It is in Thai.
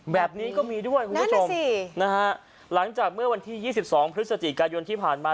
แบบนี้ก็มีด้วยคุณผู้ชมนะฮะหลังจากเมื่อวันที่๒๒พฤศจิกายนที่ผ่านมา